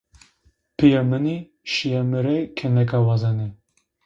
Piyê mı i, şiye mı rê keyneke wazenê.